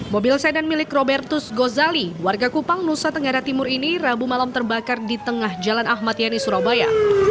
mobil sedan milik robertus gozali warga kupang nusa tenggara timur ini rabu malam terbakar di tengah jalan ahmad yani surabaya